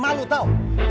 ya gue seneng